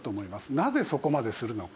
なぜそこまでするのか？